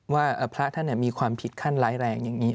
ว่าพระท่านมีความผิดขั้นร้ายแรงอย่างนี้